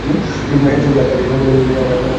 Anson কি আপনাকে বলেছে যে আমার বাবা কী করতে পারতো?